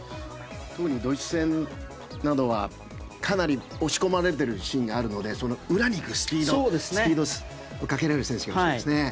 特にドイツ戦などはかなり押し込まれているシーンがあるので裏に行くスピードをかけられる選手が欲しいですね。